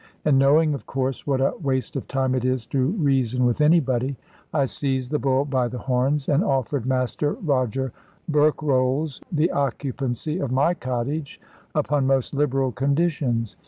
And knowing of course what a waste of time it is to reason with anybody, I seized the bull by the horns, and offered Master Roger Berkrolles the occupancy of my cottage upon most liberal conditions.